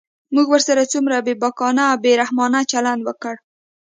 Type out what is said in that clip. موږ ورسره څومره بېباکانه او بې رحمانه چلند وکړ.